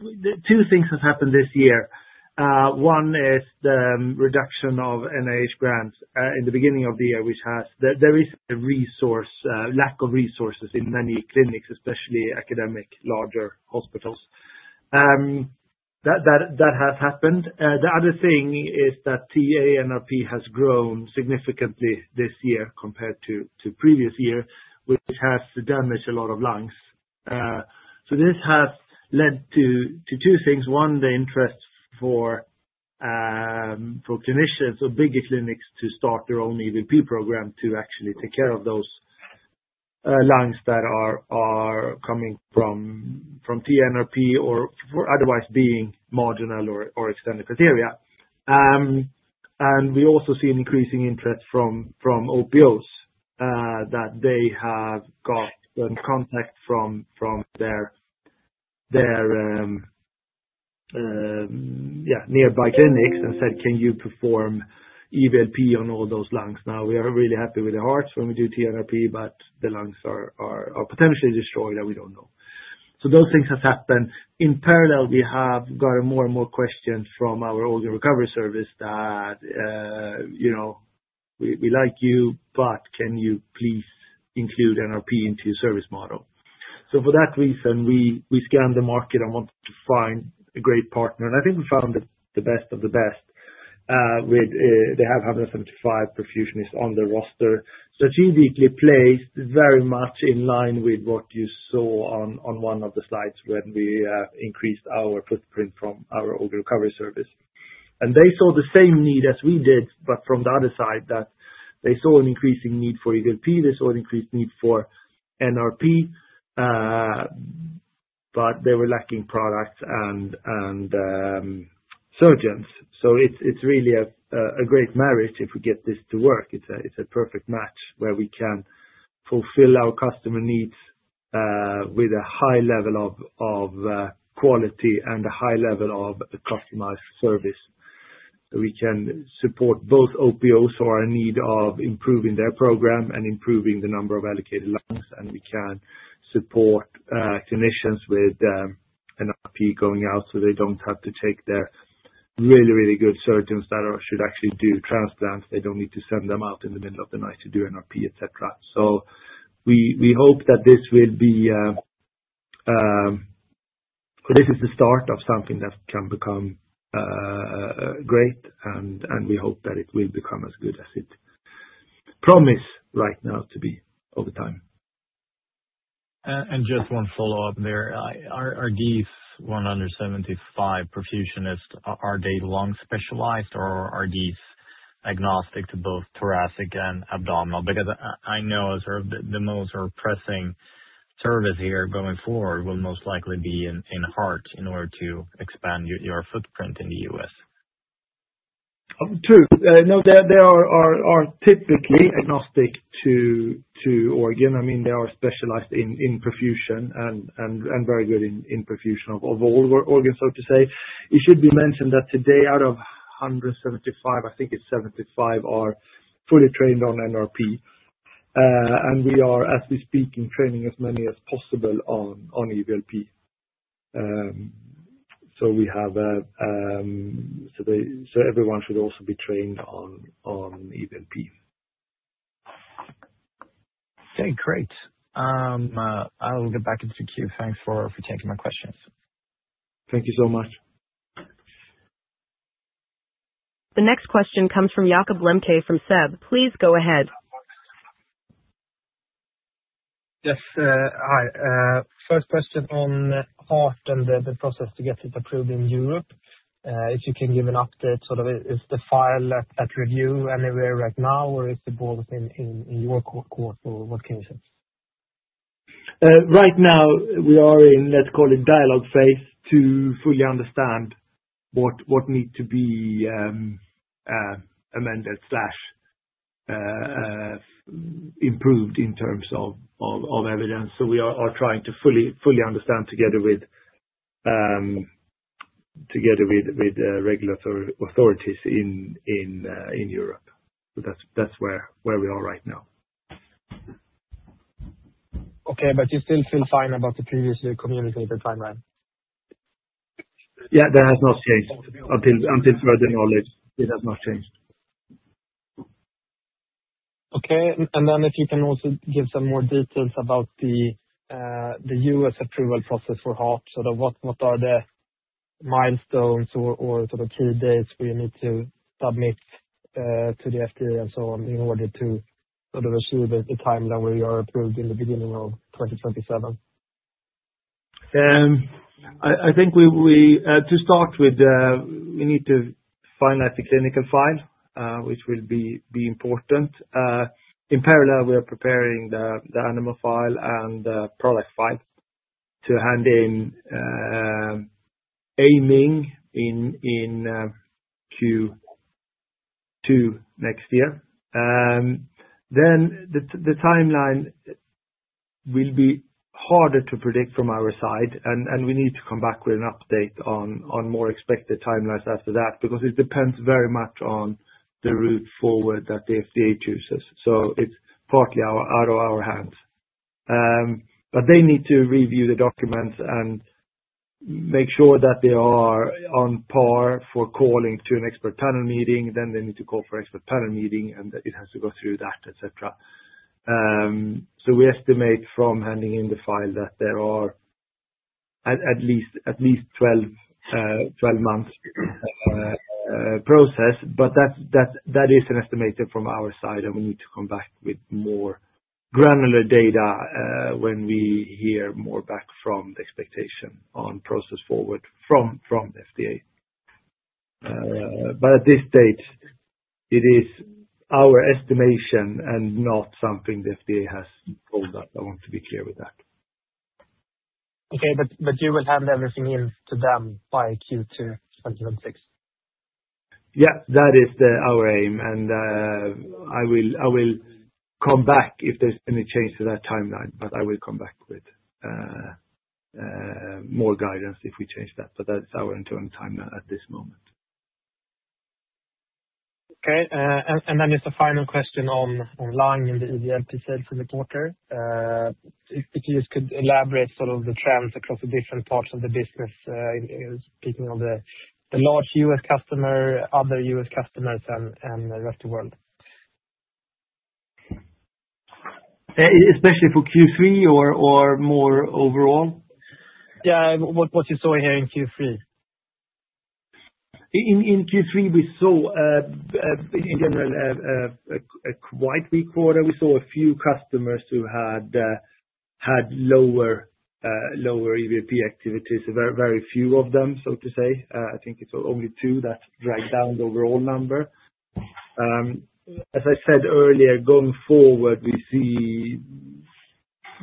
two things have happened this year. One is the reduction of NIH grants in the beginning of the year which has. There is a lack of resources in many clinics, especially academic larger hospitals. That has happened. The other thing is that TA-NRP has grown significantly this year compared to previous year, which has damaged a lot of Lungs. So this has led to two things. One, the interest for. Clinicians or bigger clinics to start their own EVLP program to actually take care of those Lungs that are coming from NRP or otherwise being marginal or extended criteria. And we also see an increasing interest from OPOs that they have got contact from their. Nearby clinics and said, "Can you perform EVLP on all those Lungs?" Now we are really happy with the Hearts when we do NRP, but the Lungs are potentially destroyed and we don't know. So those things have happened in parallel. We have gotten more and more questions from our organ recovery service that, you know, we like you but can you please include NRP into service model? So for that reason we scanned the market and wanted to find a great partner and I think we found the best of the best. They have 175 perfusionists on the roster strategically placed very much in line with what you saw on one of the slides. When we increased our footprint from our OPO recovery service and they saw the same need as we did, but from the other side that they saw an increasing need for EVLP, they saw an increased need for NRP. but they were lacking products and. Surgeons. So it's really a great marriage. If we get this to work, it's a perfect match where we can fulfill our customer needs with a high level of quality and a high level of customized service. We can support both OPOs who are in need of improving their program and improving the number of allocated Lungs. And we can support clinicians with NRP going out so they don't have to take their really, really good surgeons that should actually do transplants. They don't need to send them out in the middle of the night to do NRP, et cetera. So we hope that this will be. This is the start of something that can become. Great, and we hope that it will become as good as it promised right now to be over time. And just one follow-up. There are these 175 perfusionists, are they Lung-specialized or are these agnostic to both thoracic and abdominal? Because I know the most pressing service here going forward will most likely be in Heart in order to expand your footprint in the U.S. Terumo, they are typically agnostic to organ. I mean, they are specialized in perfusion and very good in perfusion of all organs, so to say. It should be mentioned that today out of 175, I think it's 75 are fully trained on NRP and we are, as we speak, training as many as possible on EVLP. We have. Everyone should also be trained on EVLP. Okay, great. I will get back into the queue. Thanks for taking my questions. Thank you so much. The next question comes from Jakob Lembke from SEB. Please go ahead. Yes, hi. First question on Heart and the process. To get it approved in Europe. If you can give an update, sort of. Is the file at review anywhere right now, or is it both in your? Court, or what can you say? Right now, we are in, let's call it, dialogue phase to fully understand what need to be. Amended. Improved in terms of evidence. So we are trying to fully understand together. With regulatory authorities in Europe. That's where we are right now. Okay, but you still feel fine about the previously communicated timeline? Yeah, that has not changed. Until further knowledge, it has not changed. Okay. And then, if you can also give some more details about the U.S. approval process for Heart? What are the milestones or sort? Of key dates we need to submit to the FDA and so on in order to sort of receive the time that we are approved in the beginning of 2027? I think we, to start with, we need to find out the clinical file, which will be important. In parallel, we are preparing the animal file and product file to hand in. Aiming in Q2 next year. Then the timeline will be harder to predict from our side and we need to come back with an update on more expected timelines after that because it depends very much on the route forward that the FDA chooses. So it's partly out of our hands. But they need to review the documents and make sure that they are on par for calling to an expert panel meeting. Then they need to call for expert panel meeting and it has to go through that, etc. So we estimate from handing in the file that there are at least 12 months. Process. But that is an estimate from our side and we need to come back with more granular data when we hear more back from the expectation on process forward from the. At this stage it is our estimation and not something the FDA has told us. I want to be clear with that. Okay, but you will hand everything in to them by Q2 2026. Yeah, that is our aim. And I will come back if there's any change to that timeline. But I will come back with. More guidance if we change that. But that's our internal time at this moment. Okay. And then just a final question on Lung in the episodes in the quarter, if you could elaborate sort of the trends across the different parts of the business? Speaking of the large U.S. customer, other U.S. customers and the rest of the. World. Especially for Q3 or more overall. Yes. What you saw here in Q3. In. Q3 we saw in general a quite weak quarter. We saw a few customers who had. Lower EVLP activities. Very few of them, so to say, I think it's only two that drag down the overall number. As I said earlier, going forward, we see.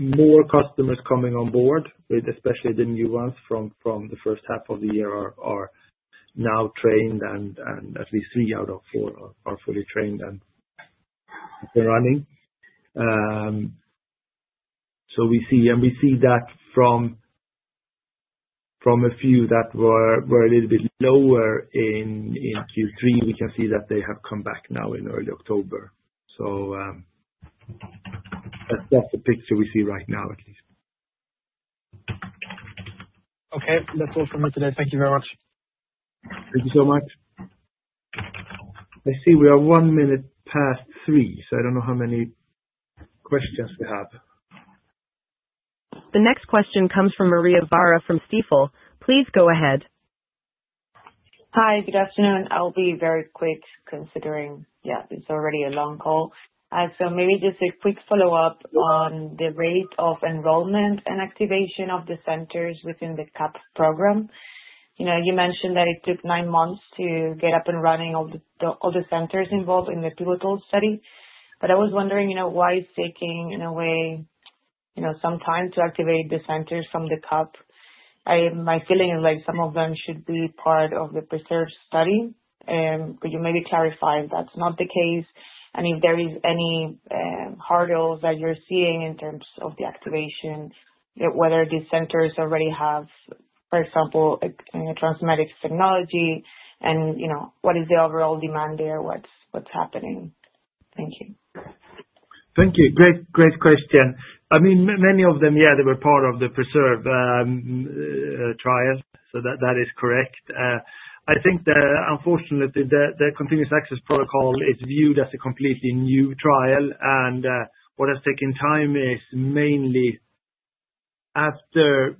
More customers coming on board, especially the new ones from the first half of the year, are now trained and at least three out of four are fully trained and running. We see that from. From a few that were a little bit lower in Q3, we can see that they have come back now in early October. So. That's the picture we see right now at least. Okay, that's all for me today. Thank you very much. Thank you so much. I see we are one minute past three, so I don't know how many questions we have. The next question comes from Maria Vara from Stifel. Please go ahead. Hi, good afternoon. I'll be very quick considering. Yeah, it's already a long call, so maybe just a quick follow up on the rate of enrollment and activation of the centers within the CAP program. You know, you mentioned that it took nine months to get up and running all the centers involved in the pivotal study. But I was wondering why it's taking in a way, some time to activate the centers from the CAP. My feeling is like some of them should be part of the previous study. Could you maybe clarify if that's not the case and if there is any hurdles that you're seeing in terms of the activation, whether these centers already have, for example, TransMedics technology and what is the overall demand there? What's happening? Thank you. Thank you. Great question. I mean, many of them, yeah, they were part of the PRESERVE trial, so that is correct. I think, unfortunately, the Continued Access Protocol is viewed as a completely new trial. And what has taken time is mainly after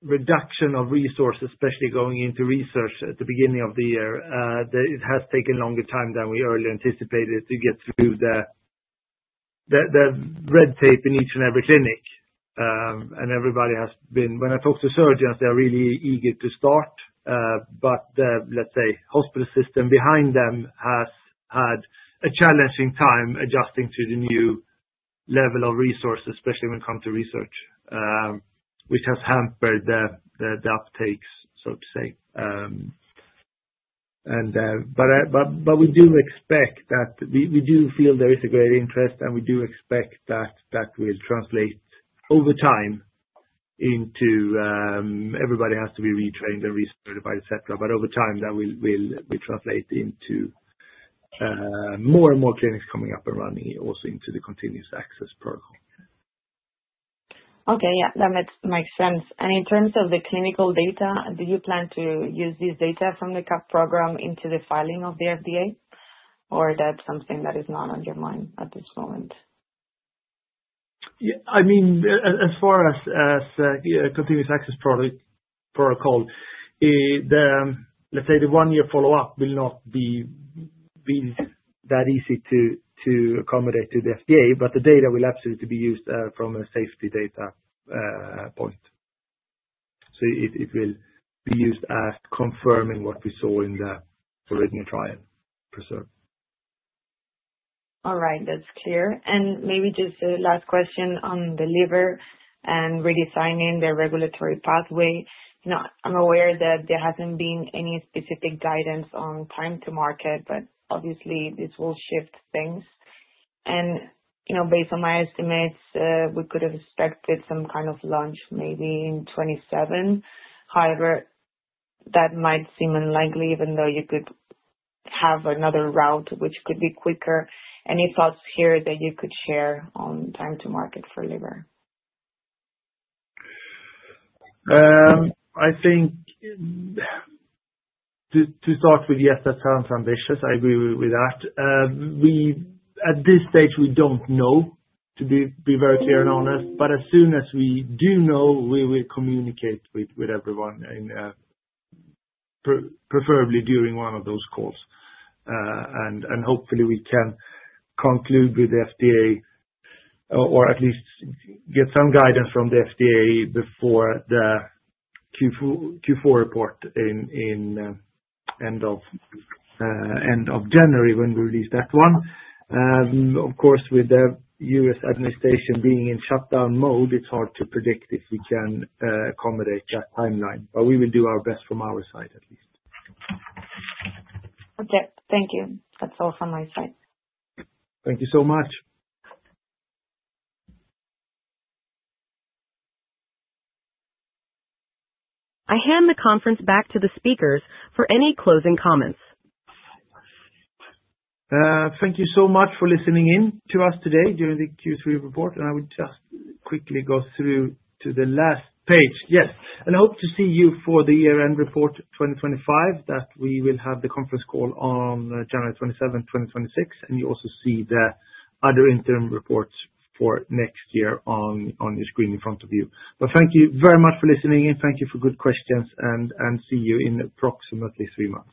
reduction of resources, especially going into research at the beginning of the year. It has taken longer time than we earlier anticipated to get through the. Red tape in each and every clinic, and everybody has been. When I talk to surgeons, they are really eager to start, but let's say hospital system behind them has had a challenging time adjusting to the new level of resources, especially when it comes to research, which has hampered the uptakes, so to say. But we do expect that, we do feel there is a great interest and we do expect that that will translate over time into everybody has to be retrained and recertified, et cetera. But over time that will translate into. More and more clinics coming up and running, also into the Continued Access Protocol. Okay, yeah, that makes sense. And in terms of the clinical data, do you plan to use this data from the CAP program into the filing of the FDA or? That's something that is not on your. Mind at this moment. I mean, as far as Continued Access Protocol. Let's say the one-year follow-up will not be. That easy to accommodate to the FDA, but the data will absolutely be used from a safety data point. So it will be used as confirming what we saw in the original trial. All right, that's clear. And maybe just a last question on the Liver and redesigning the regulatory pathway. I'm aware that there hasn't been any specific guidance on time to market, but obviously this will shift things. And based on my estimates, we could have expected some kind of launch maybe in 2027. However, that might seem unlikely, even though you could have another route which could be quicker. Any thoughts here that you could share on time to market for Liver? I think. To start with, yes, that sounds ambitious. I agree with that. At this stage, we don't know, to be very clear and honest, but as soon as we do know, we will communicate with everyone. Preferably during one of those calls and hopefully we can conclude with the FDA or at least get some guidance from the FDA before the Q4 report in. End of January when we release that one. Of course, with the U.S. Administration being in shutdown mode, it's hard to predict if we can accommodate that timeline, but we will do our best from our side at least. Okay, thank you. That's all from my side. Thank you so much. I hand the conference back to the speakers for any closing comments. Thank you so much for listening in to us today during the Q3 report and I would just quickly go through to the last page. Yes and I hope to see you for the year end report 2025 that we will have the conference call on January 27th, 2026 and you also see the other interim reports for next year on your screen in front of you, but thank you very much for listening and thank you for good questions and see you in approximately three months.